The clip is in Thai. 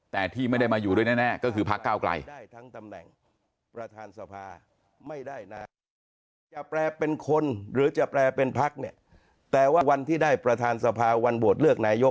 แต่ที่ไม่ได้มาอยู่ด้วยแน่ก็คือพักก้าวไกล